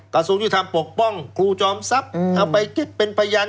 กระทรวงยุทธรรมปกป้องครูจอมทรัพย์เอาไปคิดเป็นพยาน